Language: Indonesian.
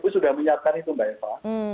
kami sudah menyiapkan itu mbak eva